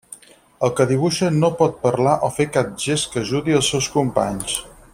El que dibuixa no pot parlar o fer cap gest que ajudi els seus companys.